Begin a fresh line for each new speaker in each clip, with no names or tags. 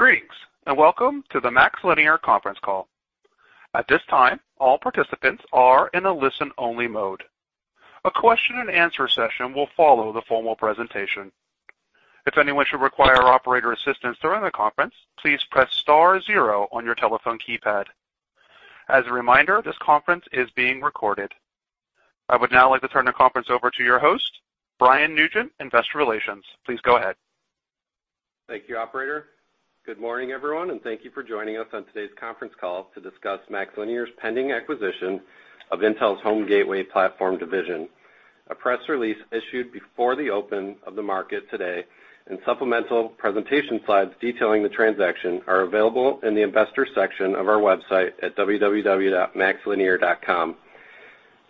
Greetings, and welcome to the MaxLinear conference call. At this time, all participants are in a listen-only mode. A question and answer session will follow the formal presentation. If anyone should require operator assistance during the conference, please press star zero on your telephone keypad. As a reminder, this conference is being recorded. I would now like to turn the conference over to your host, Brian Nugent, Investor Relations. Please go ahead.
Thank you, operator. Good morning, everyone, and thank you for joining us on today's conference call to discuss MaxLinear's pending acquisition of Intel's Home Gateway Platform Division. A press release issued before the open of the market today and supplemental presentation slides detailing the transaction are available in the Investor section of our website at www.maxlinear.com.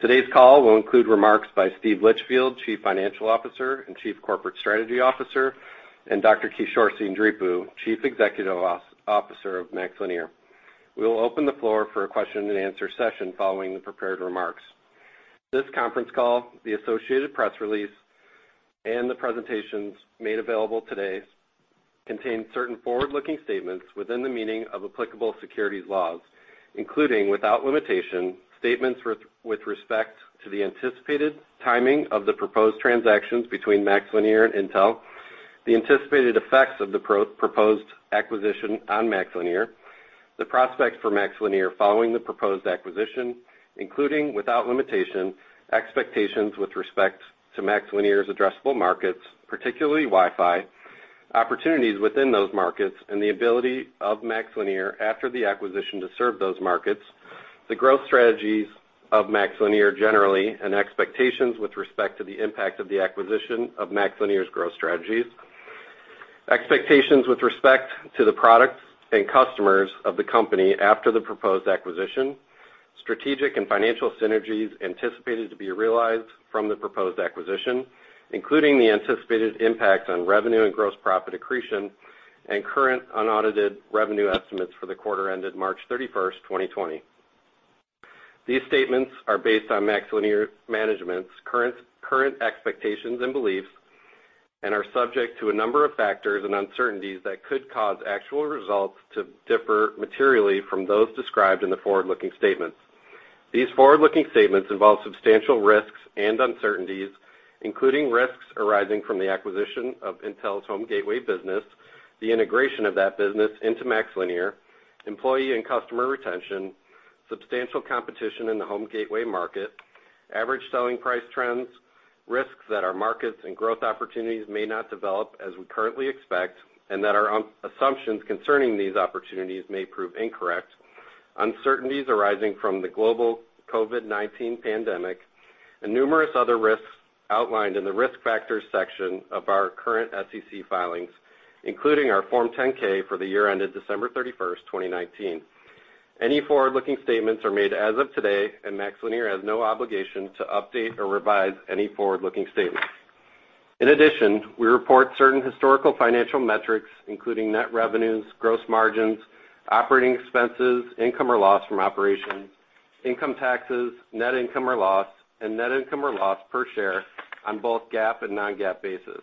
Today's call will include remarks by Steve Litchfield, Chief Financial Officer and Chief Corporate Strategy Officer, and Dr. Kishore Seendripu, Chief Executive Officer of MaxLinear. We will open the floor for a question and answer session following the prepared remarks. This conference call, the associated press release, and the presentations made available today contain certain forward-looking statements within the meaning of applicable securities laws, including, without limitation, statements with respect to the anticipated timing of the proposed transactions between MaxLinear and Intel, the anticipated effects of the proposed acquisition on MaxLinear, the prospects for MaxLinear following the proposed acquisition, including, without limitation, expectations with respect to MaxLinear's addressable markets, particularly Wi-Fi, opportunities within those markets, and the ability of MaxLinear after the acquisition to serve those markets, the growth strategies of MaxLinear generally, and expectations with respect to the impact of the acquisition of MaxLinear's growth strategies, expectations with respect to the products and customers of the company after the proposed acquisition, strategic and financial synergies anticipated to be realized from the proposed acquisition, including the anticipated impact on revenue and gross profit accretion, and current unaudited revenue estimates for the quarter ended March 31st, 2020. These statements are based on MaxLinear management's current expectations and beliefs and are subject to a number of factors and uncertainties that could cause actual results to differ materially from those described in the forward-looking statements. These forward-looking statements involve substantial risks and uncertainties, including risks arising from the acquisition of Intel's home gateway business, the integration of that business into MaxLinear, employee and customer retention, substantial competition in the home gateway market, average selling price trends, risks that our markets and growth opportunities may not develop as we currently expect, and that our assumptions concerning these opportunities may prove incorrect, uncertainties arising from the global COVID-19 pandemic, and numerous other risks outlined in the risk factors section of our current SEC filings, including our Form 10-K for the year ended December 31st, 2019. Any forward-looking statements are made as of today. MaxLinear has no obligation to update or revise any forward-looking statements. In addition, we report certain historical financial metrics, including net revenues, gross margins, operating expenses, income or loss from operations, income taxes, net income or loss, and net income or loss per share on both GAAP and non-GAAP basis.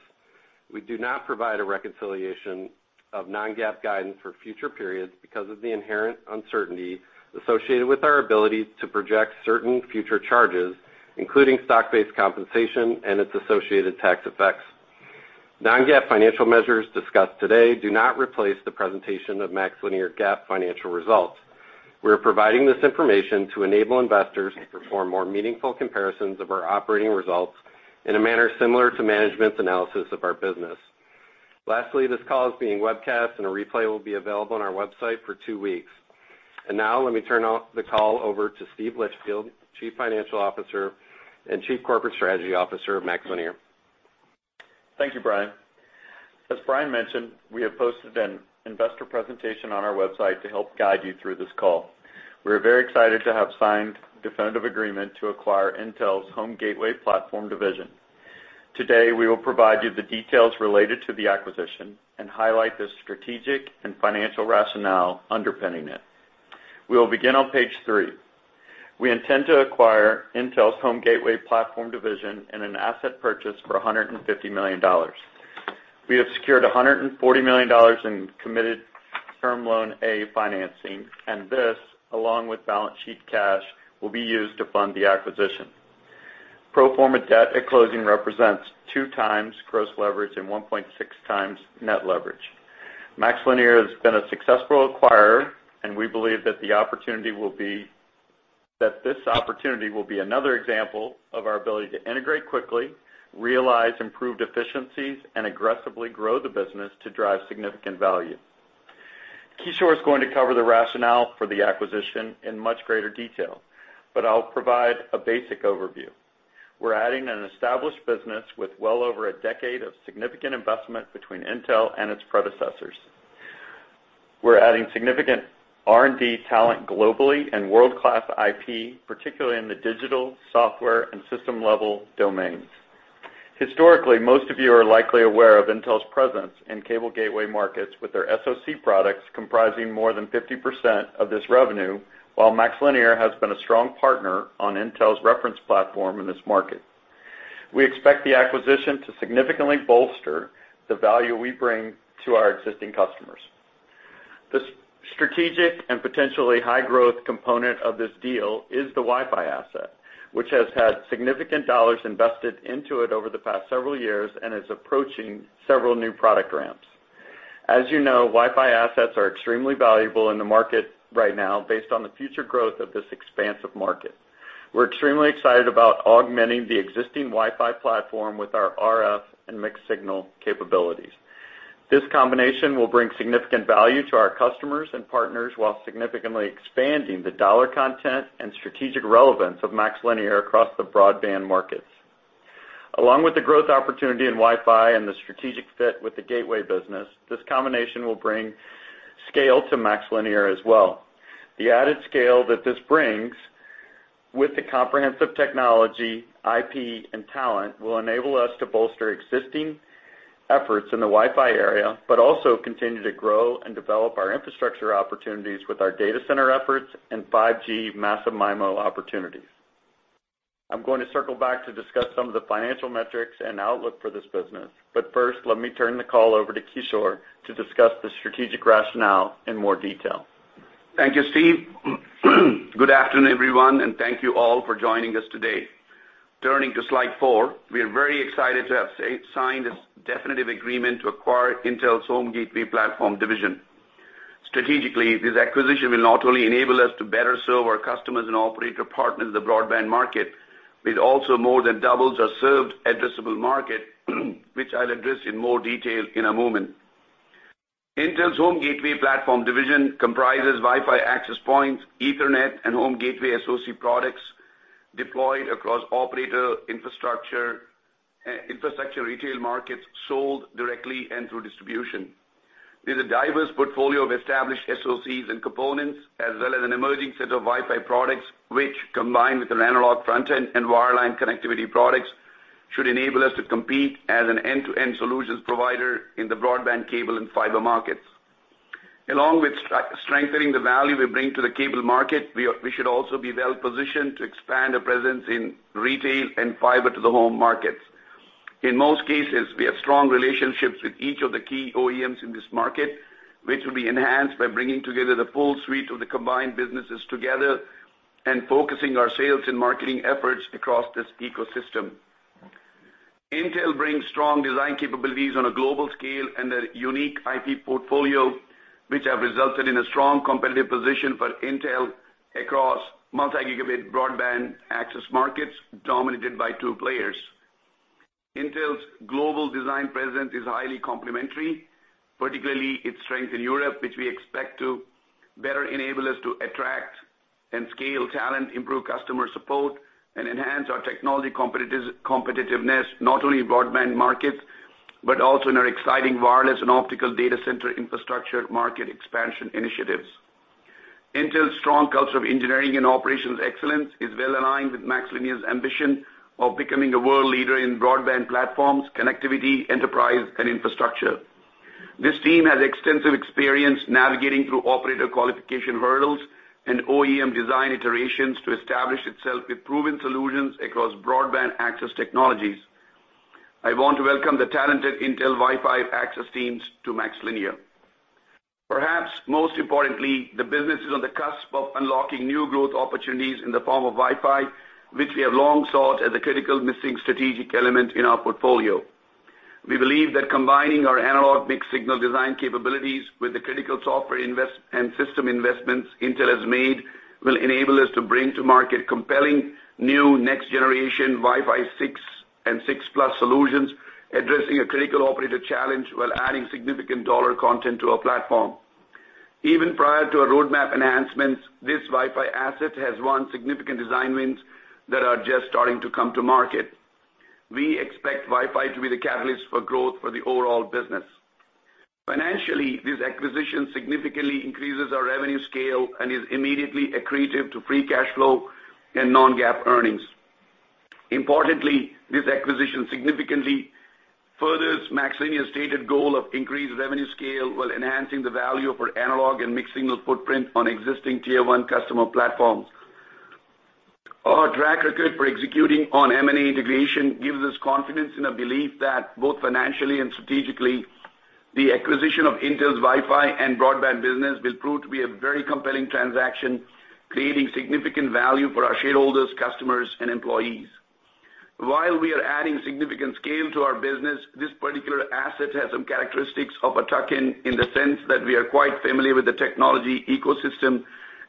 We do not provide a reconciliation of non-GAAP guidance for future periods because of the inherent uncertainty associated with our ability to project certain future charges, including stock-based compensation and its associated tax effects. Non-GAAP financial measures discussed today do not replace the presentation of MaxLinear GAAP financial results. We are providing this information to enable investors to perform more meaningful comparisons of our operating results in a manner similar to management's analysis of our business. Lastly, this call is being webcast and a replay will be available on our website for two weeks. Now let me turn the call over to Steve Litchfield, Chief Financial Officer and Chief Corporate Strategy Officer of MaxLinear.
Thank you, Brian. As Brian mentioned, we have posted an investor presentation on our website to help guide you through this call. We are very excited to have signed definitive agreement to acquire Intel's Home Gateway Platform Division. Today, we will provide you the details related to the acquisition and highlight the strategic and financial rationale underpinning it. We will begin on page three. We intend to acquire Intel's Home Gateway Platform Division in an asset purchase for $150 million. We have secured $140 million in committed term loan A financing, and this, along with balance sheet cash, will be used to fund the acquisition. Pro forma debt at closing represents 2x gross leverage and 1.6x net leverage. MaxLinear has been a successful acquirer. We believe that this opportunity will be another example of our ability to integrate quickly, realize improved efficiencies, and aggressively grow the business to drive significant value. Kishore is going to cover the rationale for the acquisition in much greater detail. I'll provide a basic overview. We're adding an established business with well over a decade of significant investment between Intel and its predecessors. We're adding significant R&D talent globally and world-class IP, particularly in the digital, software, and system-level domains. Historically, most of you are likely aware of Intel's presence in cable gateway markets with their SoC products comprising more than 50% of this revenue, while MaxLinear has been a strong partner on Intel's reference platform in this market. We expect the acquisition to significantly bolster the value we bring to our existing customers. The strategic and potentially high-growth component of this deal is the Wi-Fi asset, which has had significant dollars invested into it over the past several years and is approaching several new product ramps. As you know, Wi-Fi assets are extremely valuable in the market right now based on the future growth of this expansive market. We're extremely excited about augmenting the existing Wi-Fi platform with our RF and mixed signal capabilities. This combination will bring significant value to our customers and partners while significantly expanding the dollar content and strategic relevance of MaxLinear across the broadband markets. Along with the growth opportunity in Wi-Fi and the strategic fit with the gateway business, this combination will bring scale to MaxLinear as well. The added scale that this brings with the comprehensive technology, IP, and talent will enable us to bolster existing efforts in the Wi-Fi area, but also continue to grow and develop our infrastructure opportunities with our data center efforts and 5G massive MIMO opportunities. I'm going to circle back to discuss some of the financial metrics and outlook for this business. First, let me turn the call over to Kishore to discuss the strategic rationale in more detail.
Thank you, Steve. Good afternoon, everyone, and thank you all for joining us today. Turning to slide four, we are very excited to have signed this definitive agreement to acquire Intel's Home Gateway Platform Division. Strategically, this acquisition will not only enable us to better serve our customers and operator partners in the broadband market, it also more than doubles our served addressable market, which I'll address in more detail in a moment. Intel's Home Gateway Platform Division comprises Wi-Fi Access Points, Ethernet, and Home Gateway SoC products deployed across operator infrastructure retail markets sold directly and through distribution. With a diverse portfolio of established SoCs and components as well as an emerging set of Wi-Fi products, which, combined with an analog front-end and wireline connectivity products, should enable us to compete as an end-to-end solutions provider in the broadband cable and fiber markets. Along with strengthening the value we bring to the cable market, we should also be well-positioned to expand our presence in retail and fiber to the home markets. In most cases, we have strong relationships with each of the key OEMs in this market, which will be enhanced by bringing together the full suite of the combined businesses together and focusing our sales and marketing efforts across this ecosystem. Intel brings strong design capabilities on a global scale and a unique IP portfolio, which have resulted in a strong competitive position for Intel across multi-gigabit broadband access markets dominated by two players. Intel's global design presence is highly complementary, particularly its strength in Europe, which we expect to better enable us to attract and scale talent, improve customer support, and enhance our technology competitiveness, not only in broadband markets, but also in our exciting wireless and optical data center infrastructure market expansion initiatives. Intel's strong culture of engineering and operations excellence is well aligned with MaxLinear's ambition of becoming a world leader in broadband platforms, connectivity, enterprise, and infrastructure. This team has extensive experience navigating through operator qualification hurdles and OEM design iterations to establish itself with proven solutions across broadband access technologies. I want to welcome the talented Intel Wi-Fi access teams to MaxLinear. Perhaps most importantly, the business is on the cusp of unlocking new growth opportunities in the form of Wi-Fi, which we have long sought as a critical missing strategic element in our portfolio. We believe that combining our analog mixed signal design capabilities with the critical software and system investments Intel has made will enable us to bring to market compelling new next-generation Wi-Fi 6 and Wi-Fi 6E solutions, addressing a critical operator challenge while adding significant dollar content to our platform. Even prior to our roadmap enhancements, this Wi-Fi asset has won significant design wins that are just starting to come to market. We expect Wi-Fi to be the catalyst for growth for the overall business. Financially, this acquisition significantly increases our revenue scale and is immediately accretive to free cash flow and non-GAAP earnings. Importantly, this acquisition significantly furthers MaxLinear's stated goal of increased revenue scale while enhancing the value of our analog and mixed signal footprint on existing Tier 1 customer platforms. Our track record for executing on M&A integration gives us confidence in a belief that both financially and strategically, the acquisition of Intel's Wi-Fi and broadband business will prove to be a very compelling transaction, creating significant value for our shareholders, customers, and employees. While we are adding significant scale to our business, this particular asset has some characteristics of a tuck-in, in the sense that we are quite familiar with the technology ecosystem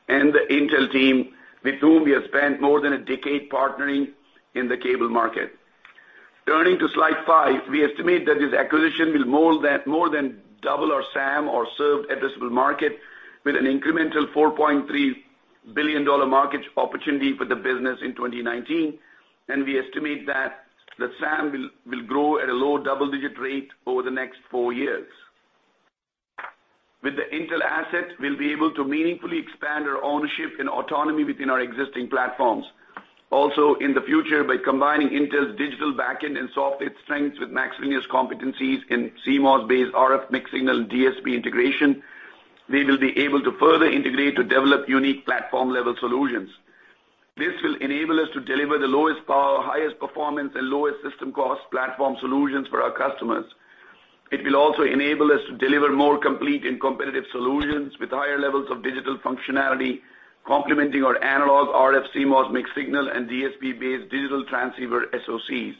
and the Intel team, with whom we have spent more than a decade partnering in the cable market. Turning to slide five, we estimate that this acquisition will more than double our SAM, or served addressable market, with an incremental $4.3 billion market opportunity for the business in 2019, and we estimate that the SAM will grow at a low double-digit rate over the next four years. With the Intel asset, we'll be able to meaningfully expand our ownership and autonomy within our existing platforms. Also, in the future, by combining Intel's digital backend and software strengths with MaxLinear's competencies in CMOS-based RF mixed-signal DSP integration, we will be able to further integrate to develop unique platform-level solutions. This will enable us to deliver the lowest power, highest performance, and lowest system cost platform solutions for our customers. It will also enable us to deliver more complete and competitive solutions with higher levels of digital functionality, complementing our analog RF CMOS mixed-signal and DSP-based digital transceiver SoCs.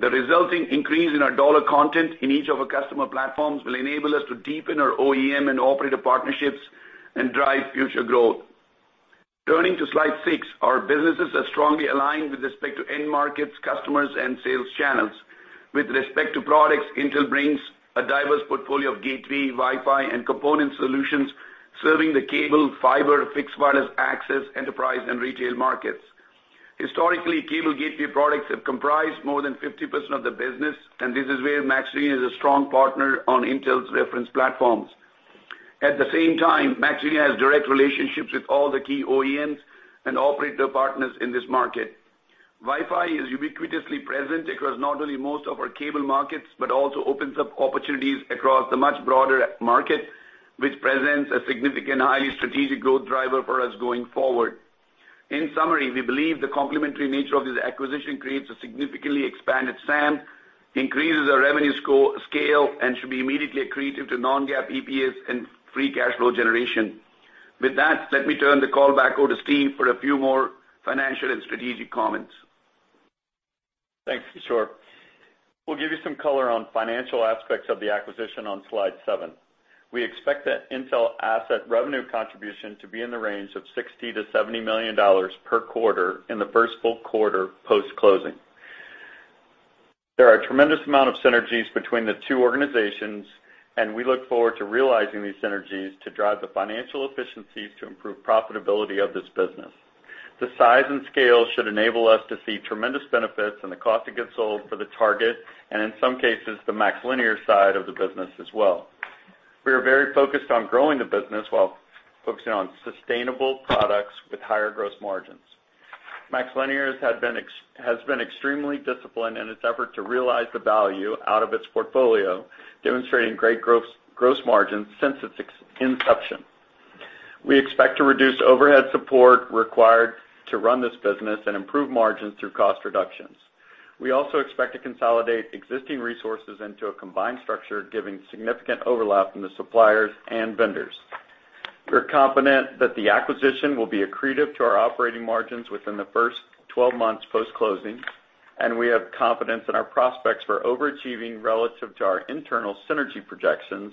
The resulting increase in our dollar content in each of our customer platforms will enable us to deepen our OEM and operator partnerships and drive future growth. Turning to slide six, our businesses are strongly aligned with respect to end markets, customers, and sales channels. With respect to products, Intel brings a diverse portfolio of gateway, Wi-Fi, and component solutions serving the cable, fiber, fixed wireless access, enterprise, and retail markets. Historically, cable gateway products have comprised more than 50% of the business, and this is where MaxLinear is a strong partner on Intel's reference platforms. At the same time, MaxLinear has direct relationships with all the key OEMs and operator partners in this market. Wi-Fi is ubiquitously present across not only most of our cable markets, but also opens up opportunities across the much broader market, which presents a significant, highly strategic growth driver for us going forward. In summary, we believe the complementary nature of this acquisition creates a significantly expanded SAM, increases our revenue scale, and should be immediately accretive to non-GAAP EPS and free cash flow generation. With that, let me turn the call back over to Steve for a few more financial and strategic comments.
Thanks, Kishore. We'll give you some color on financial aspects of the acquisition on slide seven. We expect that Intel asset revenue contribution to be in the range of $60 million-$70 million per quarter in the first full quarter post-closing. There are a tremendous amount of synergies between the two organizations, and we look forward to realizing these synergies to drive the financial efficiencies to improve profitability of this business. The size and scale should enable us to see tremendous benefits in the cost of goods sold for the target and, in some cases, the MaxLinear side of the business as well. We are very focused on growing the business while focusing on sustainable products with higher gross margins. MaxLinear has been extremely disciplined in its effort to realize the value out of its portfolio, demonstrating great gross margins since its inception. We expect to reduce overhead support required to run this business and improve margins through cost reductions. We also expect to consolidate existing resources into a combined structure, giving significant overlap in the suppliers and vendors. We're confident that the acquisition will be accretive to our operating margins within the first 12 months post-closing, and we have confidence in our prospects for overachieving relative to our internal synergy projections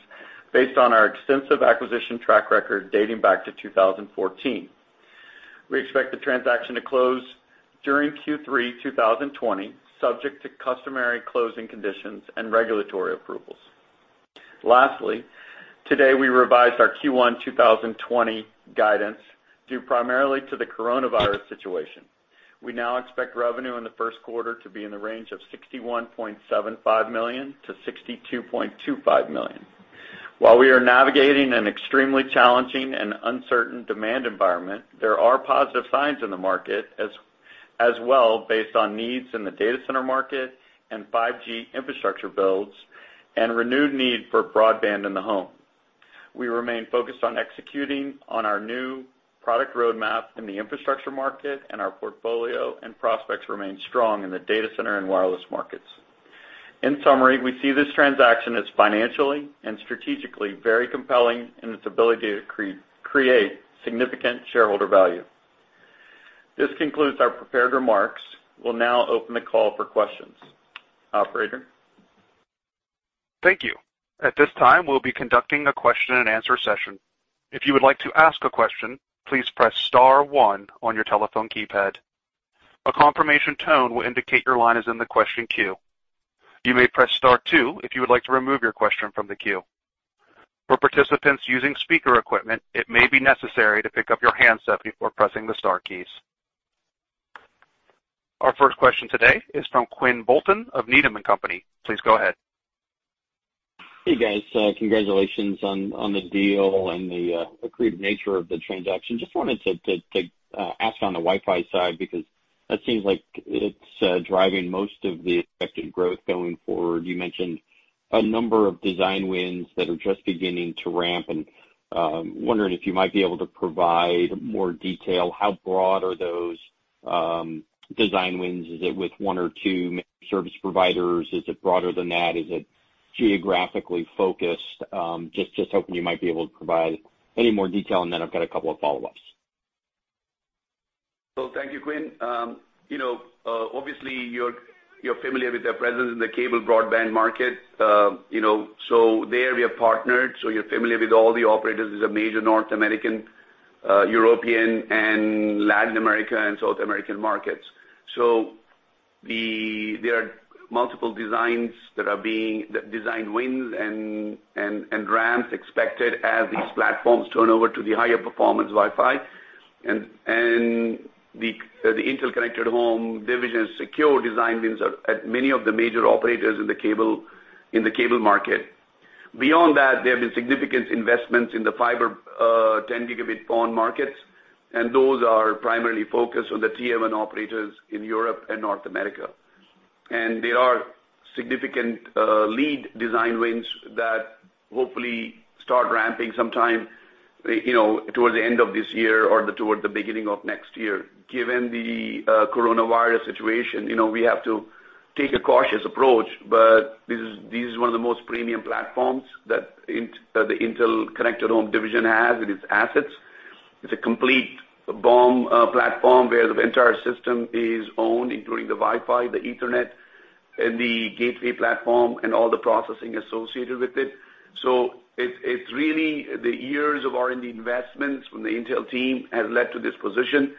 based on our extensive acquisition track record dating back to 2014. We expect the transaction to close during Q3 2020, subject to customary closing conditions and regulatory approvals. Lastly, today, we revised our Q1 2020 guidance due primarily to the coronavirus situation. We now expect revenue in the first quarter to be in the range of $61.75 million-$62.25 million. While we are navigating an extremely challenging and uncertain demand environment, there are positive signs in the market as well based on needs in the data center market and 5G infrastructure builds and renewed need for broadband in the home. We remain focused on executing on our new product roadmap in the infrastructure market, and our portfolio and prospects remain strong in the data center and wireless markets. In summary, we see this transaction as financially and strategically very compelling in its ability to create significant shareholder value. This concludes our prepared remarks. We will now open the call for questions. Operator?
Thank you. At this time, we'll be conducting a question and answer session. If you would like to ask a question, please press star one on your telephone keypad. A confirmation tone will indicate your line is in the question queue. You may press star two if you would like to remove your question from the queue. For participants using speaker equipment, it may be necessary to pick up your handset before pressing the star keys. Our first question today is from Quinn Bolton of Needham & Company. Please go ahead.
Hey, guys. Congratulations on the deal and the accretive nature of the transaction. Just wanted to ask on the Wi-Fi side, because that seems like it's driving most of the expected growth going forward. You mentioned a number of design wins that are just beginning to ramp, and wondering if you might be able to provide more detail. How broad are those design wins? Is it with one or two service providers? Is it broader than that? Is it geographically focused? Just hoping you might be able to provide any more detail, and then I've got a couple of follow-ups.
Well, thank you, Quinn. Obviously, you're familiar with our presence in the cable broadband market. There, we are partnered, so you're familiar with all the operators as a major North American, European, and Latin America and South American markets. There are multiple designs that are being design wins and ramps expected as these platforms turn over to the higher performance Wi-Fi. Intel Connected Home Division's secure design wins are at many of the major operators in the cable market. Beyond that, there have been significant investments in the fiber 10G-PON markets, and those are primarily focused on the Tier 1 operators in Europe and North America. There are significant lead design wins that hopefully start ramping sometime towards the end of this year or toward the beginning of next year. Given the coronavirus situation, we have to take a cautious approach. This is one of the most premium platforms that the Intel's Home Gateway Platform Division has in its assets. It's a complete BOM platform where the entire system is owned, including the Wi-Fi, the Ethernet, and the gateway platform, and all the processing associated with it. It's really the years of R&D investments from the Intel team has led to this position.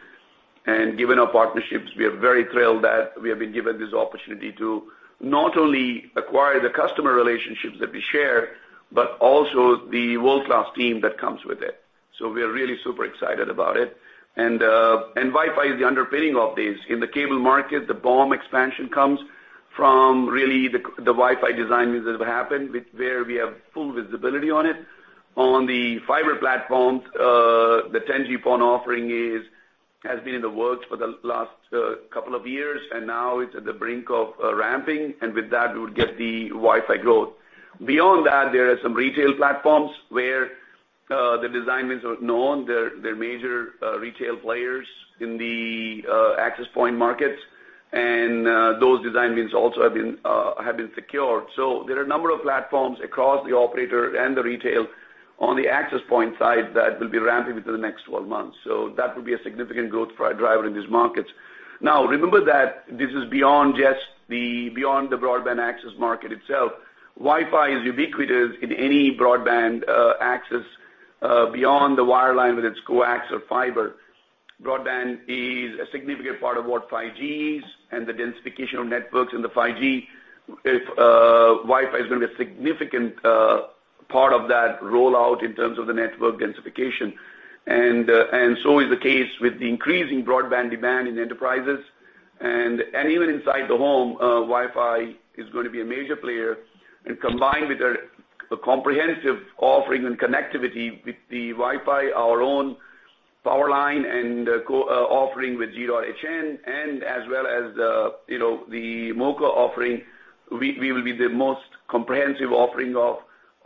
Given our partnerships, we are very thrilled that we have been given this opportunity to not only acquire the customer relationships that we share, but also the world-class team that comes with it. We are really super excited about it. Wi-Fi is the underpinning of this. In the cable market, the BOM expansion comes from really the Wi-Fi design wins that have happened, where we have full visibility on it. On the fiber platforms, the 10G-PON offering has been in the works for the last couple of years. Now it's at the brink of ramping. With that, we would get the Wi-Fi growth. Beyond that, there are some retail platforms where the design wins are known. They're major retail players in the access point markets. Those design wins also have been secured. There are a number of platforms across the operator and the retail on the access point side that will be ramping within the next 12 months. That will be a significant growth driver in these markets. Now, remember that this is beyond the broadband access market itself. Wi-Fi is ubiquitous in any broadband access beyond the wireline, whether it's coax or fiber. Broadband is a significant part of what 5G is and the densification of networks in the 5G. Wi-Fi is going to be a significant part of that rollout in terms of the network densification. So is the case with the increasing broadband demand in enterprises. Even inside the home, Wi-Fi is going to be a major player. Combined with a comprehensive offering and connectivity with the Wi-Fi, our own power line, and offering with G.hn and as well as the MoCA offering, we will be the most comprehensive offering of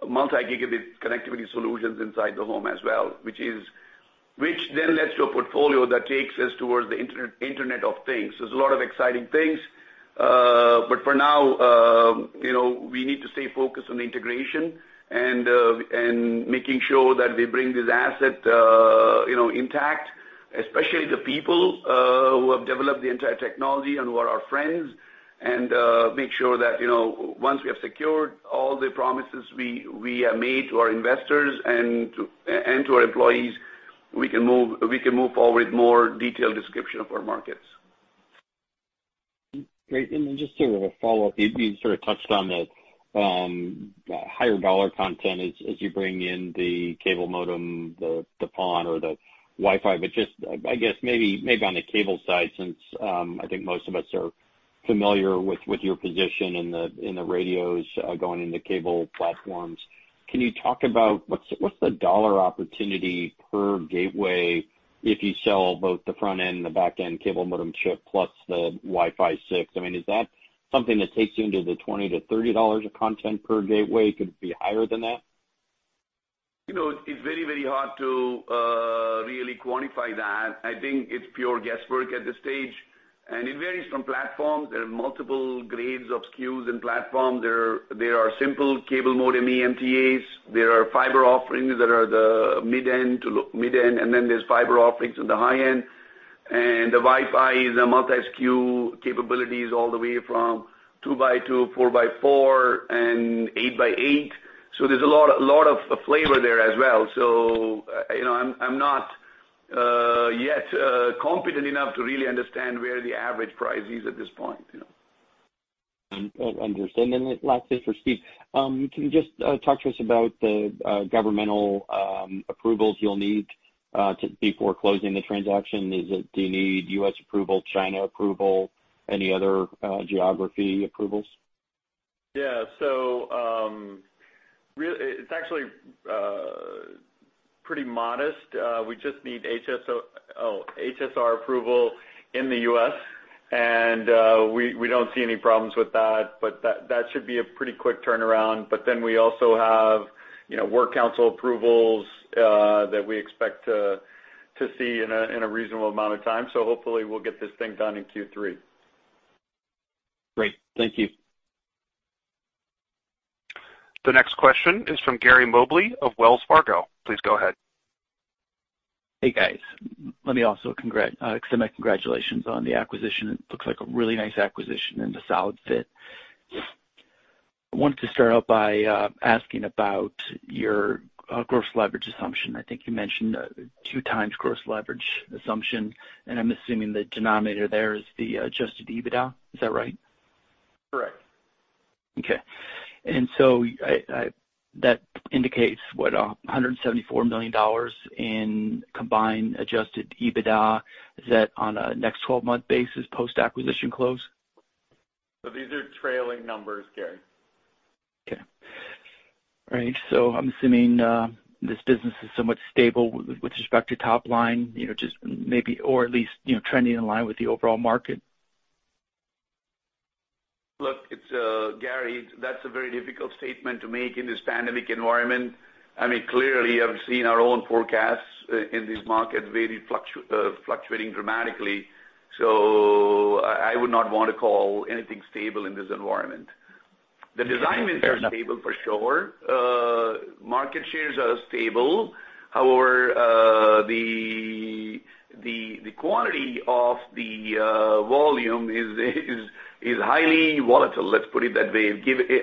multi-gigabit connectivity solutions inside the home as well, which leads to a portfolio that takes us towards the Internet of Things. There's a lot of exciting things. For now, we need to stay focused on the integration and making sure that we bring this asset intact, especially the people who have developed the entire technology and who are our friends, and make sure that once we have secured all the promises we have made to our investors and to our employees, we can move forward with more detailed description of our markets.
Great. Just sort of a follow-up. You sort of touched on the higher dollar content as you bring in the cable modem, the PON or the Wi-Fi. Just, I guess maybe on the cable side, since I think most of us are familiar with your position in the radios going into cable platforms, can you talk about what's the dollar opportunity per gateway if you sell both the front-end and the back-end cable modem chip plus the Wi-Fi 6? I mean, is that something that takes you into the $20-$30 of content per gateway? Could it be higher than that?
It's very hard to really quantify that. I think it's pure guesswork at this stage, and it varies from platform. There are multiple grades of SKUs and platform. There are simple cable modem eMTA, there are fiber offerings that are the mid end, and then there's fiber offerings on the high end. The Wi-Fi is a multi-SKU capabilities all the way from 2x2, 4x4, and 8x8. There's a lot of flavor there as well. I'm not yet competent enough to really understand where the average price is at this point.
I understand. Lastly for Steve, can you just talk to us about the governmental approvals you'll need before closing the transaction? Do you need U.S. approval, China approval, any other geography approvals?
Yeah. It's actually pretty modest. We just need HSR approval in the U.S., and we don't see any problems with that, but that should be a pretty quick turnaround. We also have work council approvals that we expect to see in a reasonable amount of time. Hopefully we'll get this thing done in Q3.
Great. Thank you.
The next question is from Gary Mobley of Wells Fargo. Please go ahead.
Hey, guys. Let me also extend my congratulations on the acquisition. It looks like a really nice acquisition and a solid fit. I wanted to start out by asking about your gross leverage assumption. I think you mentioned 2x gross leverage assumption, and I'm assuming the denominator there is the adjusted EBITDA. Is that right?
Correct.
Okay. That indicates, what, $174 million in combined adjusted EBITDA? Is that on a next 12-month basis post-acquisition close?
These are trailing numbers, Gary.
Okay. Right. I'm assuming this business is somewhat stable with respect to top line, or at least trending in line with the overall market.
Look, Gary, that's a very difficult statement to make in this pandemic environment. Clearly, I've seen our own forecasts in these markets very fluctuating dramatically. I would not want to call anything stable in this environment.
Fair enough.
The design wins are stable for sure. Market shares are stable. The quantity of the volume is highly volatile, let's put it that way,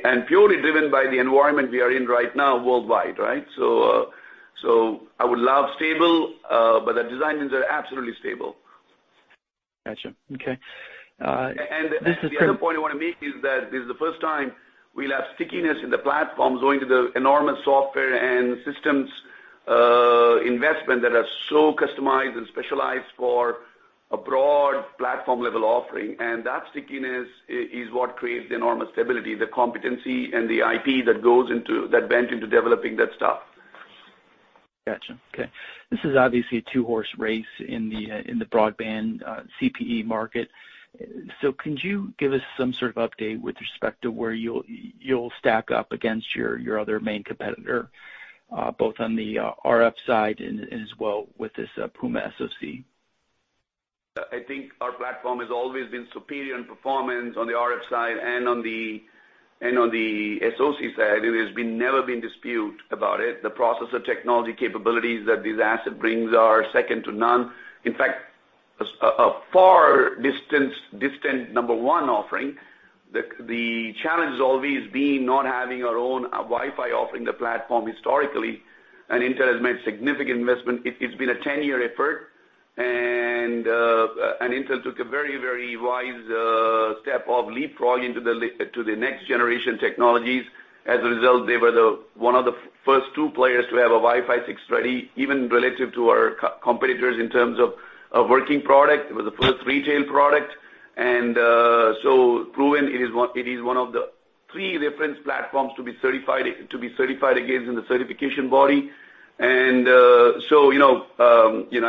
and purely driven by the environment we are in right now worldwide, right? I would love stable, but the design wins are absolutely stable.
Got you. Okay.
The other point I want to make is that this is the first time we'll have stickiness in the platform owing to the enormous software and systems investment that are so customized and specialized for a broad platform-level offering. That stickiness is what creates the enormous stability, the competency and the IP that went into developing that stuff.
Got you. Okay. This is obviously a two-horse race in the broadband CPE market. Could you give us some sort of update with respect to where you'll stack up against your other main competitor, both on the RF side and as well with this Puma SoC?
I think our platform has always been superior in performance on the RF side and on the SoC side. It has never been disputed about it. The processor technology capabilities that this asset brings are second to none. In fact, a far distant number one offering. The challenge has always been not having our own Wi-Fi offering the platform historically, and Intel has made significant investment. It's been a 10-year effort, and Intel took a very wise step of leapfrogging to the next generation technologies. As a result, they were one of the first two players to have a Wi-Fi 6 ready, even relative to our competitors in terms of a working product. It was the first retail product. Proven, it is one of the three reference platforms to be certified against in the certification body. I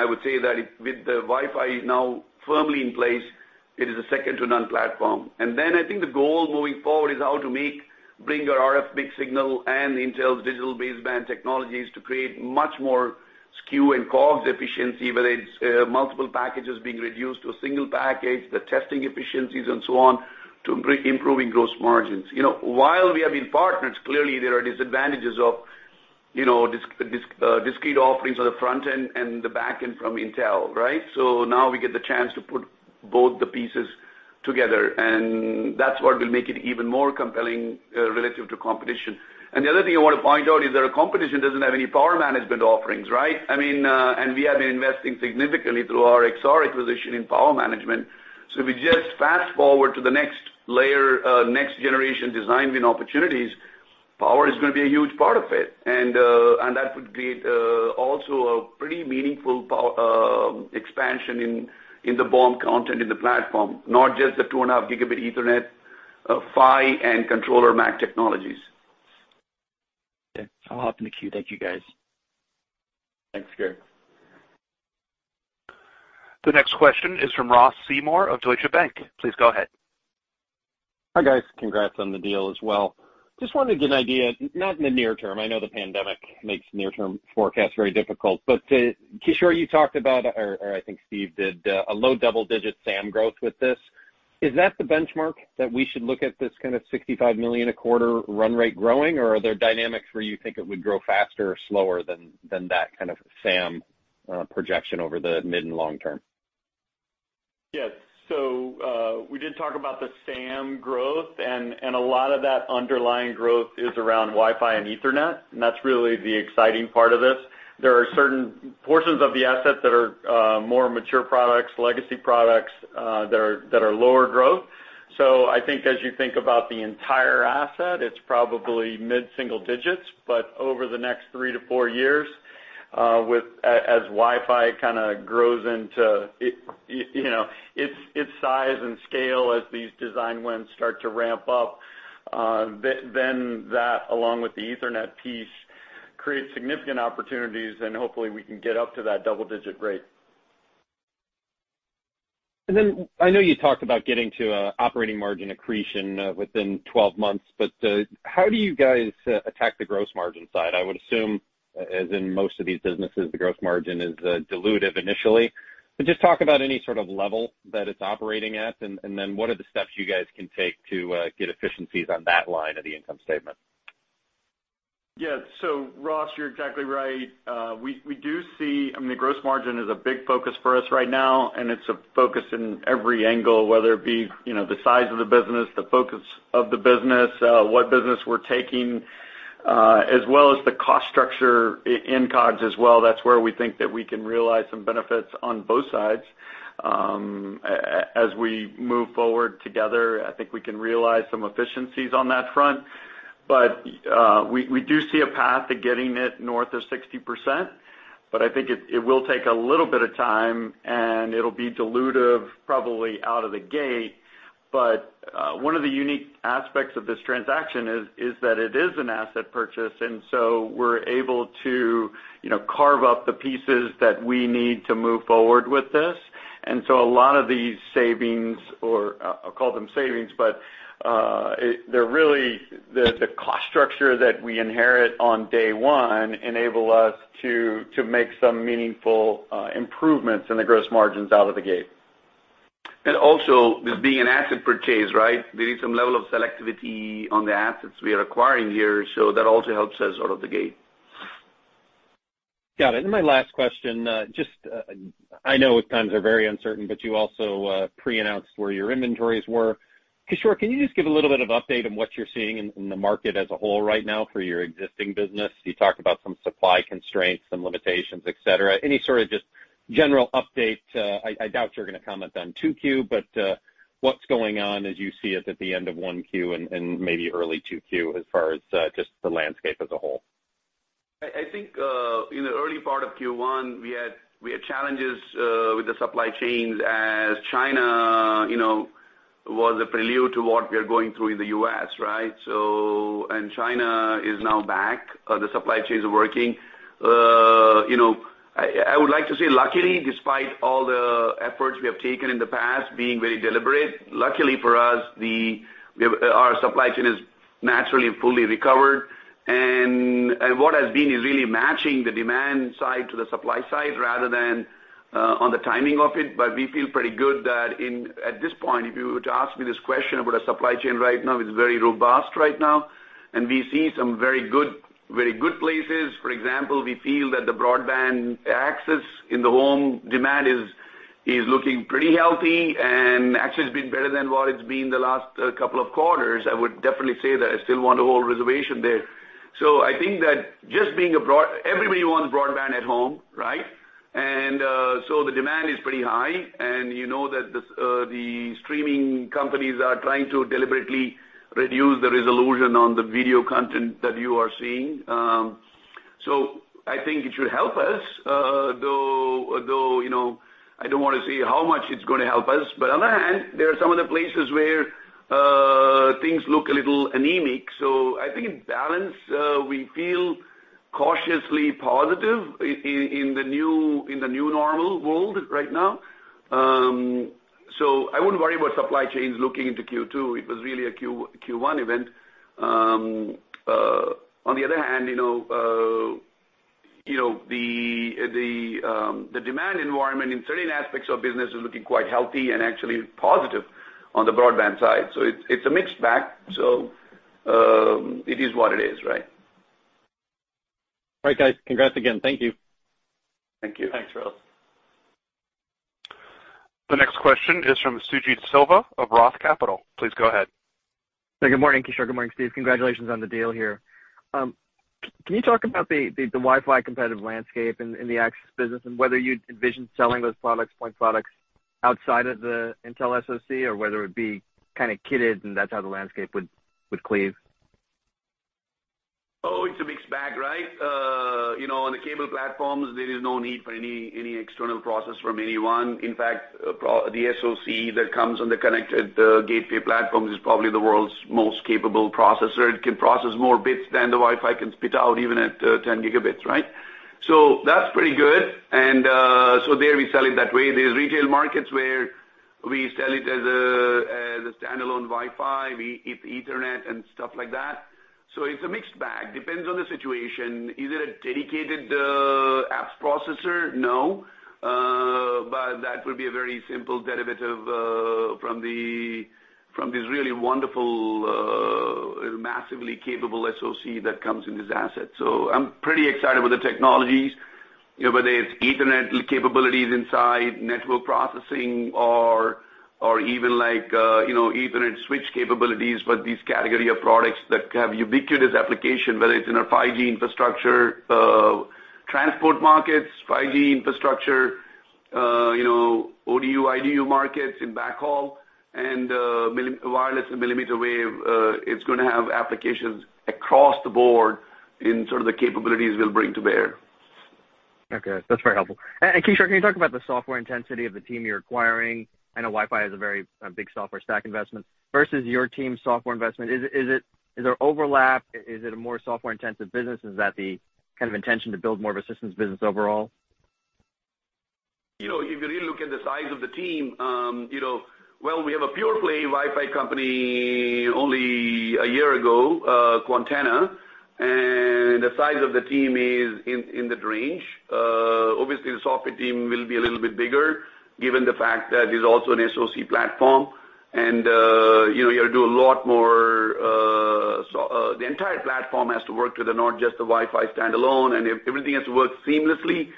would say that with the Wi-Fi now firmly in place, it is a second to none platform. I think the goal moving forward is how to bring our RF mixed signal and Intel's digital baseband technologies to create much more SKU and COGS efficiency, whether it's multiple packages being reduced to a single package, the testing efficiencies and so on to improving gross margins. While we have been partners, clearly, there are disadvantages of discrete offerings on the front end and the back end from Intel, right? Now we get the chance to put both the pieces together, and that's what will make it even more compelling relative to competition. The other thing I want to point out is that our competition doesn't have any power management offerings, right? We have been investing significantly through our Exar acquisition in power management. If we just fast-forward to the next layer, next generation design win opportunities, power is going to be a huge part of it. That would create also a pretty meaningful expansion in the BOM content in the platform, not just the 2.5 Gb Ethernet, PHY and controller MAC technologies.
Okay. I'll hop in the queue. Thank you, guys.
Thanks, Gary.
The next question is from Ross Seymore of Deutsche Bank. Please go ahead.
Hi, guys. Congrats on the deal as well. Just wanted to get an idea, not in the near term, I know the pandemic makes near-term forecasts very difficult, but Kishore, you talked about, or I think Steve did, a low double-digit SAM growth with this. Is that the benchmark that we should look at this kind of $65 million a quarter run rate growing, or are there dynamics where you think it would grow faster or slower than that kind of SAM projection over the mid and long term?
Yes. We did talk about the SAM growth, and a lot of that underlying growth is around Wi-Fi and Ethernet, and that's really the exciting part of this. There are certain portions of the asset that are more mature products, legacy products that are lower growth. I think as you think about the entire asset, it's probably mid-single digits, but over the next three to four years, as Wi-Fi kind of grows into its size and scale, as these design wins start to ramp up, then that along with the Ethernet piece creates significant opportunities, and hopefully we can get up to that double-digit rate.
I know you talked about getting to operating margin accretion within 12 months. How do you guys attack the gross margin side? I would assume, as in most of these businesses, the gross margin is dilutive initially. Just talk about any sort of level that it's operating at, and then what are the steps you guys can take to get efficiencies on that line of the income statement?
Ross, you're exactly right. The gross margin is a big focus for us right now, and it's a focus in every angle, whether it be the size of the business, the focus of the business, what business we're taking, as well as the cost structure in COGS as well. That's where we think that we can realize some benefits on both sides. As we move forward together, I think we can realize some efficiencies on that front. We do see a path to getting it north of 60%. I think it will take a little bit of time, and it'll be dilutive probably out of the gate. One of the unique aspects of this transaction is that it is an asset purchase, and so we're able to carve up the pieces that we need to move forward with this. A lot of these savings, or I’ll call them savings, but the cost structure that we inherit on day one enable us to make some meaningful improvements in the gross margins out of the gate.
Also, this being an asset purchase, there is some level of selectivity on the assets we are acquiring here, so that also helps us out of the gate.
Got it. My last question, I know times are very uncertain, but you also pre-announced where your inventories were. Kishore, can you just give a little bit of update on what you're seeing in the market as a whole right now for your existing business? You talked about some supply constraints, some limitations, et cetera. Any sort of just general update? I doubt you're going to comment on 2Q, but what's going on as you see it at the end of 1Q and maybe early 2Q as far as just the landscape as a whole?
I think, in the early part of Q1, we had challenges with the supply chains as China was a prelude to what we are going through in the U.S., right? China is now back. The supply chains are working. I would like to say luckily, despite all the efforts we have taken in the past being very deliberate, luckily for us, our supply chain is naturally fully recovered. What has been is really matching the demand side to the supply side rather than on the timing of it. We feel pretty good that at this point, if you were to ask me this question about our supply chain right now, it's very robust right now, and we see some very good places. For example, we feel that the broadband access in the home demand is looking pretty healthy and actually has been better than what it's been the last couple of quarters. I would definitely say that I still want to hold reservation there. I think that everybody wants broadband at home, right? The demand is pretty high, and you know that the streaming companies are trying to deliberately reduce the resolution on the video content that you are seeing. I think it should help us, though I don't want to say how much it's going to help us. On the other hand, there are some other places where things look a little anemic. I think in balance, we feel cautiously positive in the new normal world right now. I wouldn't worry about supply chains looking into Q2. It was really a Q1 event. On the other hand, the demand environment in certain aspects of business is looking quite healthy and actually positive on the broadband side. It's a mixed bag. It is what it is, right?
All right, guys. Congrats again. Thank you.
Thank you.
Thanks, Ross.
The next question is from Suji Desilva of Roth Capital. Please go ahead.
Good morning, Kishore. Good morning, Steve. Congratulations on the deal here. Can you talk about the Wi-Fi competitive landscape in the access business and whether you'd envision selling those point products outside of the Intel SoC, or whether it'd be kind of kitted and that's how the landscape would cleave?
It's a mixed bag, right? On the cable platforms, there is no need for any external process from anyone. In fact, the SoC that comes on the connected gateway platform is probably the world's most capable processor. It can process more bits than the Wi-Fi can spit out, even at 10 Gb, right? That's pretty good. There, we sell it that way. There's retail markets where we sell it as a standalone Wi-Fi, with Ethernet and stuff like that. It's a mixed bag, depends on the situation. Is it a dedicated apps processor? No, that would be a very simple derivative from this really wonderful, massively capable SoC that comes in this asset. I'm pretty excited with the technologies, whether it's Ethernet capabilities inside network processing or even like Ethernet switch capabilities, but these category of products that have ubiquitous application, whether it's in a 5G infrastructure, transport markets, 5G infrastructure, ODU/IDU markets in backhaul, and wireless and millimeter wave. It's going to have applications across the board in sort of the capabilities it will bring to bear.
Okay. That's very helpful. Kishore, can you talk about the software intensity of the team you're acquiring? I know Wi-Fi has a very big software stack investment versus your team's software investment. Is there overlap? Is it a more software-intensive business? Is that the kind of intention to build more of a systems business overall?
If you really look at the size of the team, well, we have a pure play Wi-Fi company only a year ago, Quantenna, and the size of the team is in that range. The software team will be a little bit bigger given the fact that it is also an SoC platform. The entire platform has to work to not just the Wi-Fi standalone, and everything has to work seamlessly.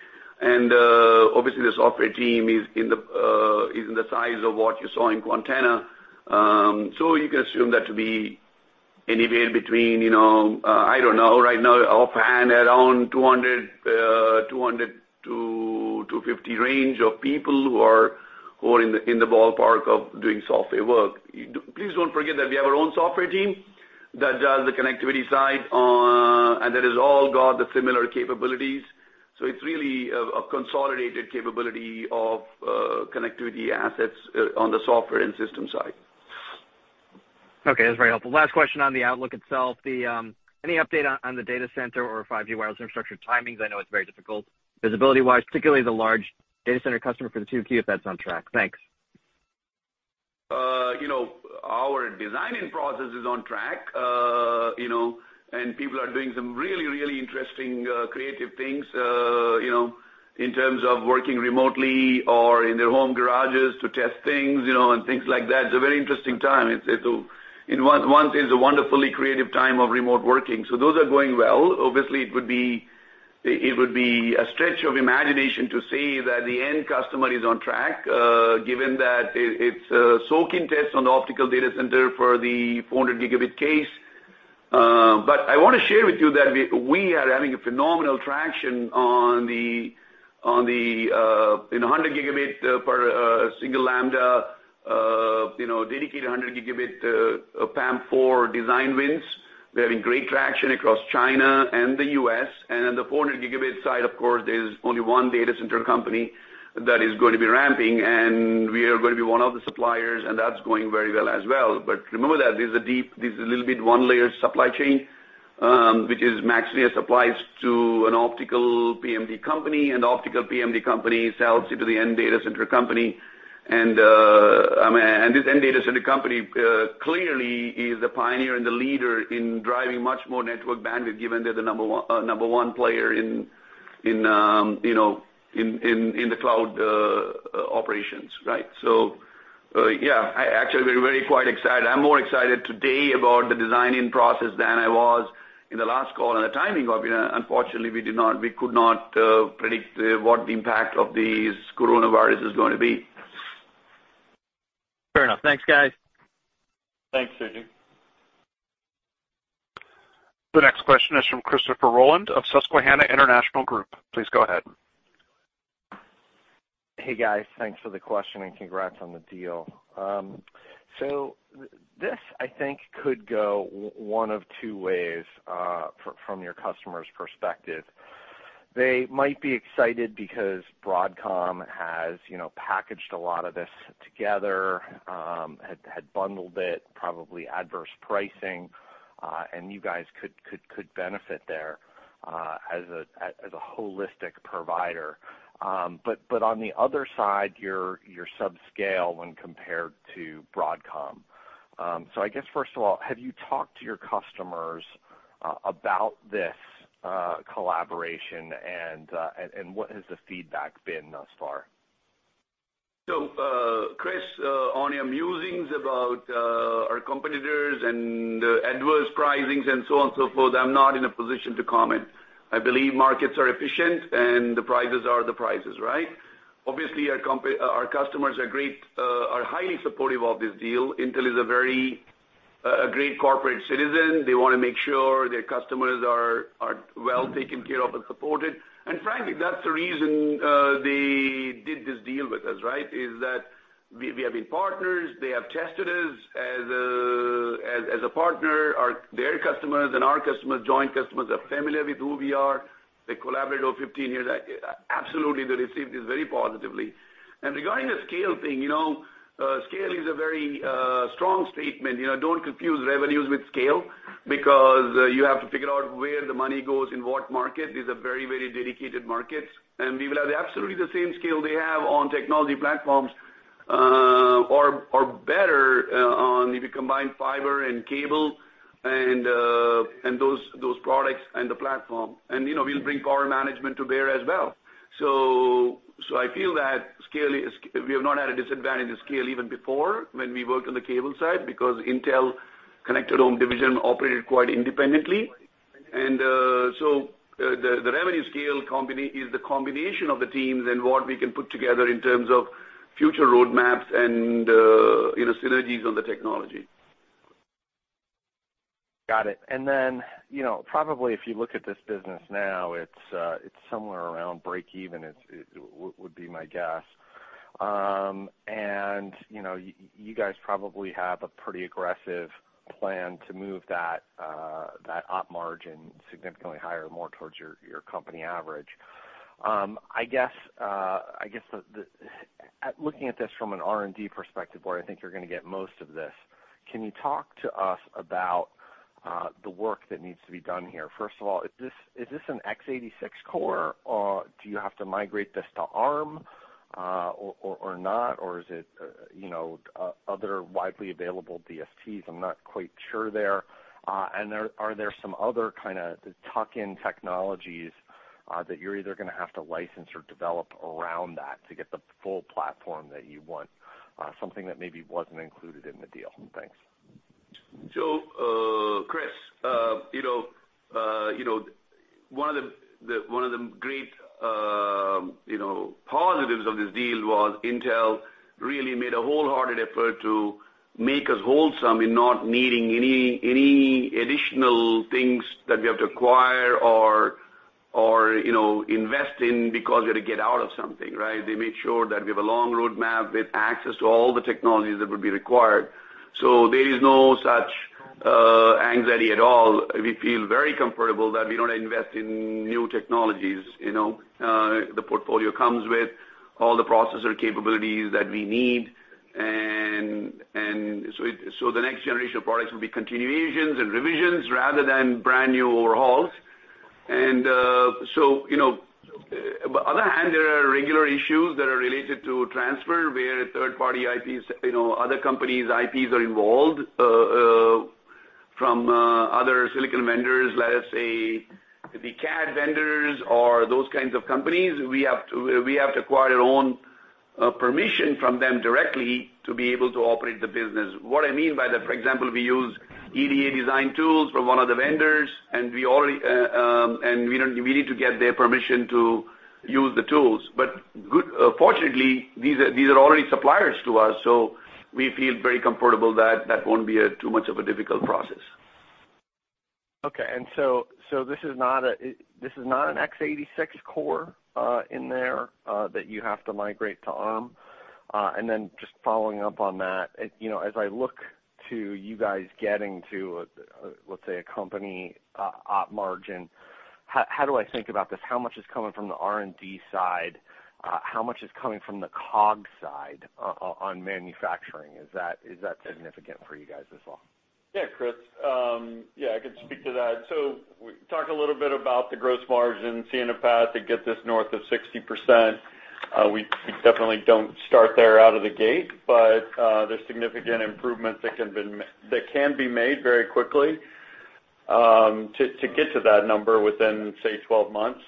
The software team is in the size of what you saw in Quantenna. You can assume that to be anywhere between, I don't know right now offhand, around 200 to 250 range of people who are in the ballpark of doing software work. Please don't forget that we have our own software team that does the connectivity side, and that has all got the similar capabilities. It's really a consolidated capability of connectivity assets on the software and system side.
Okay, that's very helpful. Last question on the outlook itself. Any update on the data center or 5G wireless infrastructure timings? I know it's very difficult visibility-wise, particularly the large data center customer for the 2Q, if that's on track. Thanks.
Our designing process is on track. People are doing some really interesting, creative things in terms of working remotely or in their home garages to test things, and things like that. It's a very interesting time. In one sense, a wonderfully creative time of remote working. Those are going well. Obviously, it would be a stretch of imagination to say that the end customer is on track, given that it's a soaking test on the optical data center for the 400 Gb case. I want to share with you that we are having a phenomenal traction on the 100 Gb per single lambda, dedicated 100 Gb PAM4 design wins. We're having great traction across China and the U.S. On the 400 Gb side, of course, there's only one data center company that is going to be ramping, and we are going to be one of the suppliers, and that's going very well as well. Remember that this is a little bit one-layer supply chain, which is MaxLinear supplies to an optical PMD company, and the optical PMD company sells it to the end data center company. This end data center company clearly is the pioneer and the leader in driving much more network bandwidth, given they're the number 1 player in the cloud operations, right? Yeah, actually we're very quite excited. I'm more excited today about the designing process than I was in the last call and the timing of it. Unfortunately, we could not predict what the impact of this coronavirus is going to be.
Fair enough. Thanks, guys.
Thanks, Suji.
The next question is from Christopher Rolland of Susquehanna International Group. Please go ahead.
Hey, guys. Thanks for the question and congrats on the deal. This, I think could go one of two ways from your customers' perspective. They might be excited because Broadcom has packaged a lot of this together, had bundled it, probably adverse pricing, and you guys could benefit there as a holistic provider. On the other side, you're subscale when compared to Broadcom. I guess first of all, have you talked to your customers about this collaboration and what has the feedback been thus far?
Chris, on your musings about our competitors and adverse pricings and so on and so forth, I'm not in a position to comment. I believe markets are efficient and the prices are the prices, right? Obviously, our customers are highly supportive of this deal. Intel is a great corporate citizen. They want to make sure their customers are well taken care of and supported. Frankly, that's the reason they did this deal with us, right? Is that we have been partners, they have tested us as a partner. Their customers and our customers, joint customers, are familiar with who we are. They collaborated over 15 years. Absolutely, they received this very positively. Regarding the scale thing, scale is a very strong statement. Don't confuse revenues with scale because you have to figure out where the money goes in what market. These are very dedicated markets, we will have absolutely the same scale they have on technology platforms, or better if you combine fiber and cable and those products and the platform. We'll bring power management to bear as well. I feel that we have not had a disadvantage in scale even before when we worked on the cable side because Intel's Home Gateway Platform Division operated quite independently. The revenue scale is the combination of the teams and what we can put together in terms of future roadmaps and synergies on the technology.
Got it. Then probably if you look at this business now, it's somewhere around break even, would be my guess. You guys probably have a pretty aggressive plan to move that op margin significantly higher, more towards your company average. I guess looking at this from an R&D perspective, where I think you're going to get most of this, can you talk to us about the work that needs to be done here? First of all, is this an x86 core or do you have to migrate this to ARM or not? Is it other widely available DSPs? I'm not quite sure there. Are there some other kind of tuck-in technologies that you're either going to have to license or develop around that to get the full platform that you want, something that maybe wasn't included in the deal? Thanks.
Chris, one of the great positives of this deal was Intel really made a wholehearted effort to make us wholesome in not needing any additional things that we have to acquire or to invest in because we had to get out of something, right? They made sure that we have a long roadmap with access to all the technologies that would be required. There is no such anxiety at all. We feel very comfortable that we don't invest in new technologies. The portfolio comes with all the processor capabilities that we need. The next generation of products will be continuations and revisions rather than brand-new overhauls. On the other hand, there are regular issues that are related to transfer, where third-party IPs, other companies' IPs are involved from other silicon vendors. Let us say the CAD vendors or those kinds of companies, we have to acquire our own permission from them directly to be able to operate the business. What I mean by that, for example, we use EDA design tools from one of the vendors, and we need to get their permission to use the tools. Fortunately, these are already suppliers to us, so we feel very comfortable that that won't be too much of a difficult process.
Okay. This is not an x86 core in there that you have to migrate to Arm. Just following up on that, as I look to you guys getting to, let's say, a company op margin, how do I think about this? How much is coming from the R&D side? How much is coming from the COG side on manufacturing? Is that significant for you guys as well?
Chris. Yeah, I can speak to that. We talked a little bit about the gross margin, seeing a path to get this north of 60%. We definitely don't start there out of the gate, but there's significant improvements that can be made very quickly to get to that number within, say, 12 months.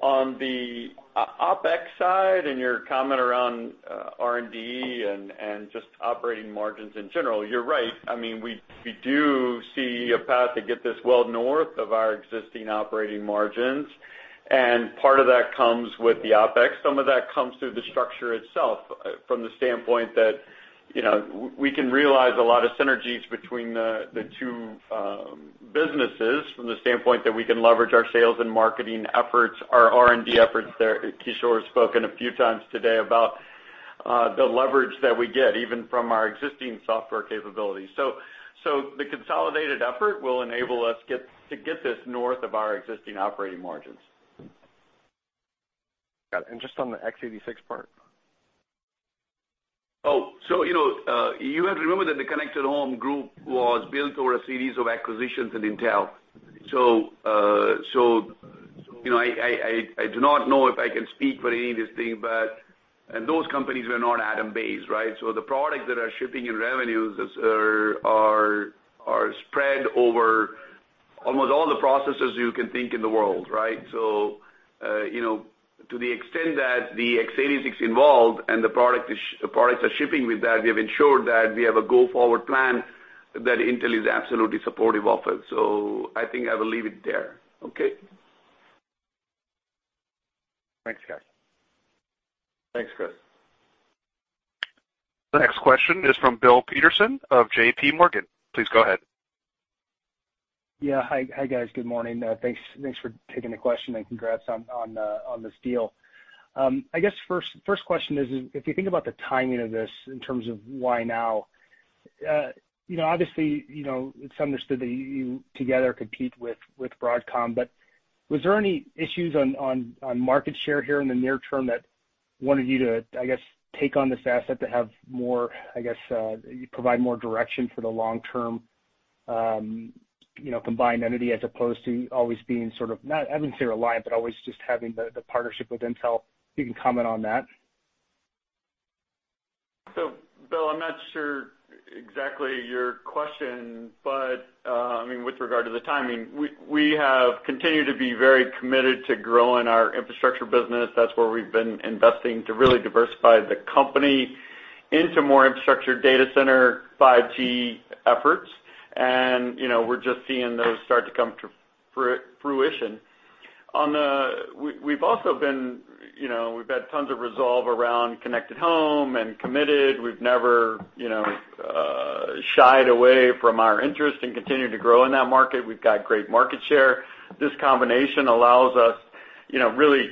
On the OpEx side and your comment around R&D and just operating margins in general, you're right. We do see a path to get this well north of our existing operating margins, and part of that comes with the OpEx. Some of that comes through the structure itself from the standpoint that we can realize a lot of synergies between the two businesses from the standpoint that we can leverage our sales and marketing efforts, our R&D efforts there. Kishore has spoken a few times today about the leverage that we get even from our existing software capabilities. The consolidated effort will enable us to get this north of our existing operating margins.
Got it. Just on the x86 part.
Oh, you have to remember that the Connected Home group was built over a series of acquisitions in Intel. I do not know if I can speak for any of these things, but those companies were not Atom-based, right? The products that are shipping in revenues are spread over almost all the processors you can think in the world, right? To the extent that the x86 involved and the products are shipping with that, we have ensured that we have a go-forward plan that Intel is absolutely supportive of. I think I will leave it there. Okay.
Thanks, guys.
Thanks, Chris.
The next question is from Bill Peterson of JPMorgan. Please go ahead.
Yeah. Hi, guys. Good morning. Thanks for taking the question, and congrats on this deal. I guess first question is, if you think about the timing of this in terms of why now, obviously, it's understood that you together compete with Broadcom, but was there any issues on market share here in the near term that wanted you to, I guess, take on this asset to have more, I guess, provide more direction for the long-term combined entity, as opposed to always being sort of, not I wouldn't say reliant, but always just having the partnership with Intel? If you can comment on that.
Bill, I'm not sure exactly your question, but with regard to the timing, we have continued to be very committed to growing our infrastructure business. That's where we've been investing to really diversify the company into more infrastructure data center 5G efforts. We're just seeing those start to come to fruition. We've had tons of resolve around Connected Home and committed. We've never shied away from our interest in continuing to grow in that market. We've got great market share. This combination allows us really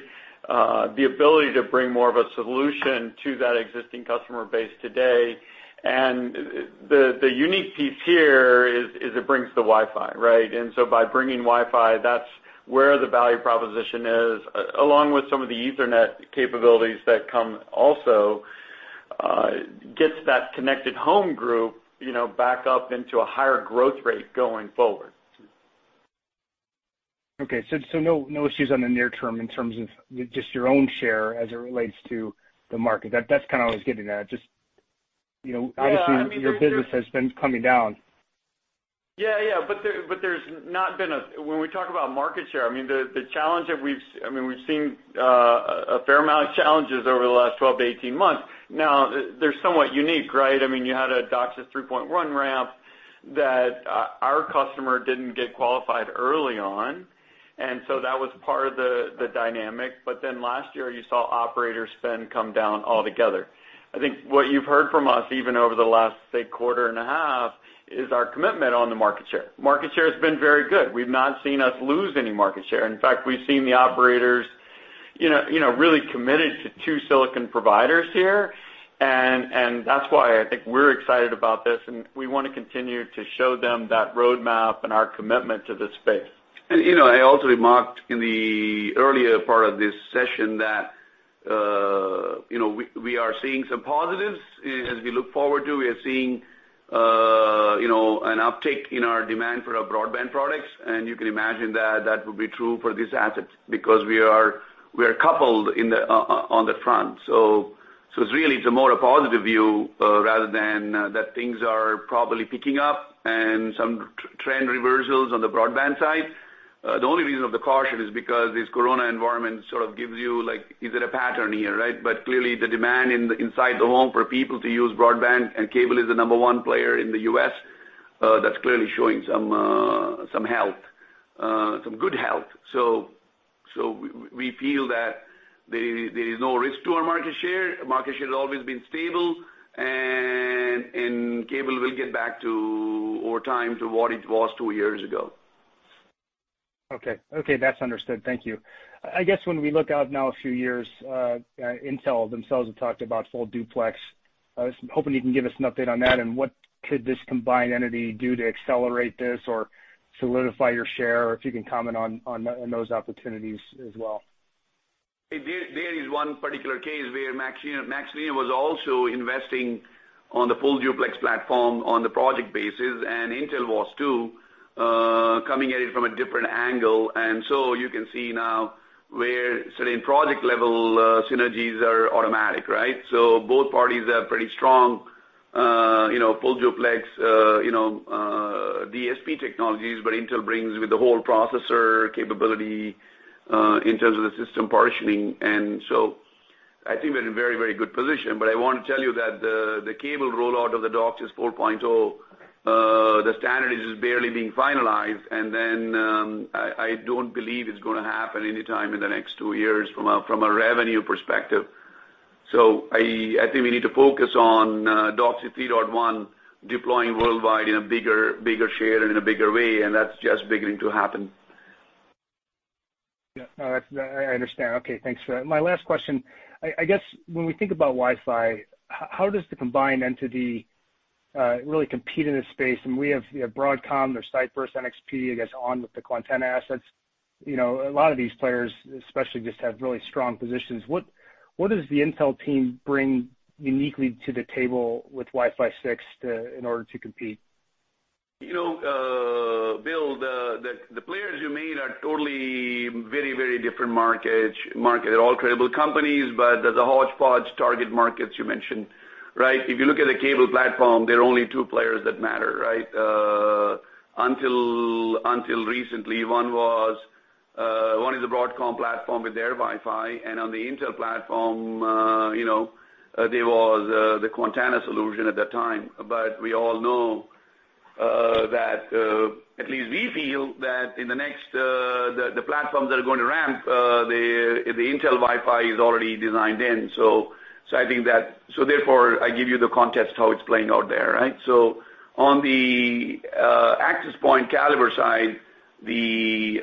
the ability to bring more of a solution to that existing customer base today. The unique piece here is it brings the Wi-Fi, right? By bringing Wi-Fi, that's where the value proposition is, along with some of the Ethernet capabilities that come also, gets that Connected Home group back up into a higher growth rate going forward.
Okay, no issues on the near term in terms of just your own share as it relates to the market. That's kind of what I was getting at.
Yeah.
Your business has been coming down.
Yeah. There's not been when we talk about market share, the challenge that we've seen a fair amount of challenges over the last 12-18 months. Now, they're somewhat unique, right? You had a DOCSIS 3.1 ramp that our customer didn't get qualified early on, that was part of the dynamic. Last year, you saw operator spend come down altogether. I think what you've heard from us, even over the last, say, quarter and a half, is our commitment on the market share. Market share has been very good. We've not seen us lose any market share. In fact, we've seen the operators really committed to two silicon providers here. That's why I think we're excited about this, and we want to continue to show them that roadmap and our commitment to this space.
I also remarked in the earlier part of this session that we are seeing some positives. As we look forward, we are seeing an uptick in our demand for our broadband products, and you can imagine that will be true for these assets because we are coupled on the front. It's really a more positive view rather than that things are probably picking up and some trend reversals on the broadband side. The only reason of the caution is because this COVID-19 environment sort of gives you, is it a pattern here, right? Clearly the demand inside the home for people to use broadband and cable is the number one player in the U.S., that's clearly showing some good health. We feel that there is no risk to our market share. Market share has always been stable, and cable will get back over time to what it was two years ago.
Okay. That's understood. Thank you. I guess when we look out now a few years, Intel themselves have talked about full duplex. I was hoping you can give us an update on that and what could this combined entity do to accelerate this or solidify your share. If you can comment on those opportunities as well.
There is one particular case where MaxLinear was also investing on the full duplex platform on the project basis, and Intel was too, coming at it from a different angle. You can see now where certain project level synergies are automatic, right? Both parties have pretty strong full duplex DSP technologies, but Intel brings with the whole processor capability in terms of the system partitioning. I think we're in a very good position, but I want to tell you that the cable rollout of the DOCSIS 4.0, the standard is just barely being finalized. I don't believe it's going to happen anytime in the next two years from a revenue perspective. I think we need to focus on DOCSIS 3.1 deploying worldwide in a bigger share and in a bigger way, and that's just beginning to happen.
Yeah. No, I understand. Okay, thanks for that. My last question, I guess when we think about Wi-Fi, how does the combined entity really compete in this space? We have Broadcom, there's Cypress, NXP, I guess ON with the Quantenna assets. A lot of these players especially just have really strong positions. What does the Intel team bring uniquely to the table with Wi-Fi 6 in order to compete?
Bill, the players you made are totally very different markets. They're all credible companies, there's a hodgepodge target markets you mentioned, right? If you look at the cable platform, there are only two players that matter, right? Until recently, one is the Broadcom platform with their Wi-Fi, and on the Intel platform there was the Quantenna solution at that time. We all know that, at least we feel that the platforms that are going to ramp, the Intel Wi-Fi is already designed in. Therefore I give you the context how it's playing out there, right? On the access point caliber side, the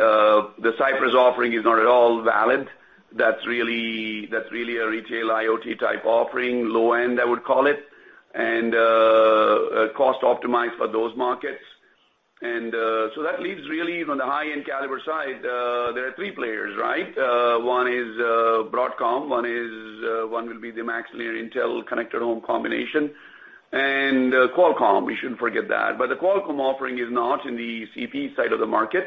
Cypress offering is not at all valid. That's really a retail IoT type offering. Low end, I would call it, and cost optimized for those markets. That leaves really on the high-end caliber side, there are three players, right? One is Broadcom, one will be the MaxLinear Intel Connected Home combination, and Qualcomm, we shouldn't forget that. The Qualcomm offering is not in the CP side of the market,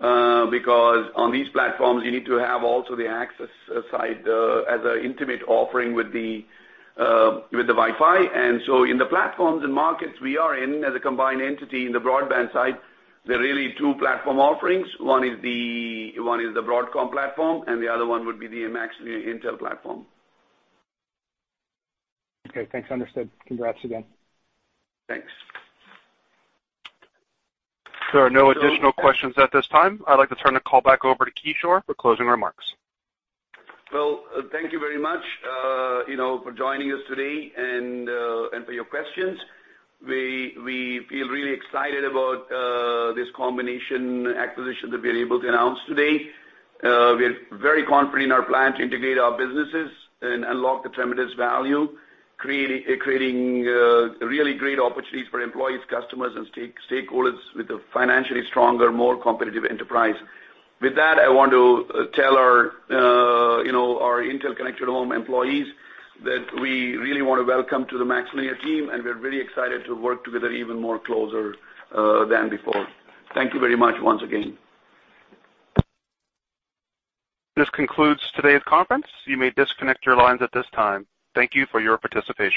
because on these platforms you need to have also the access side as an intimate offering with the Wi-Fi. In the platforms and markets we are in as a combined entity in the broadband side, there are really two platform offerings. One is the Broadcom platform, and the other one would be the MaxLinear Intel platform.
Okay, thanks. Understood. Congrats again.
Thanks.
Sir, no additional questions at this time. I'd like to turn the call back over to Kishore for closing remarks.
Well, thank you very much for joining us today and for your questions. We feel really excited about this combination acquisition that we're able to announce today. We're very confident in our plan to integrate our businesses and unlock the tremendous value, creating really great opportunities for employees, customers, and stakeholders with a financially stronger, more competitive enterprise. With that, I want to tell our Intel Connected Home employees that we really want to welcome to the MaxLinear team, and we're very excited to work together even more closer than before. Thank you very much once again.
This concludes today's conference. You may disconnect your lines at this time. Thank you for your participation.